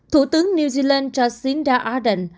thủ tướng new zealand jacinda ardern